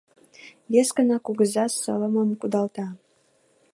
Вескана кугыза сылымым кудалта